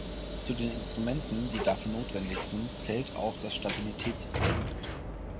Zu den Instrumenten, die dafür nötig sind, zählt auch das Stabilitätsinstrument.